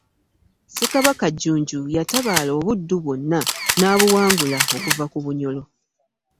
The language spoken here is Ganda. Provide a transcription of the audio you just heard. Ssekabaka Jjunju yatabaala Obuddu bwonna n’abuwangula okuva ku Bunyolo.